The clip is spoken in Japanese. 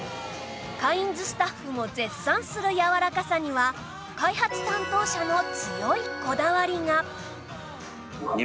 カインズスタッフも絶賛するやわらかさには開発担当者の強いこだわりが